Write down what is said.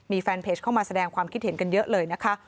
มีแฟนเพจเข้ามาแสดงความคิดเห็นกันเยอะเลยนะคะ